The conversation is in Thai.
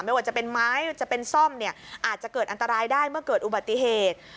ไม่ว่าจะเป็นไม้จะเป็นซ่อมเนี่ยอาจจะเกิดอันตรายได้เมื่อเกิดอุบัติเหตุ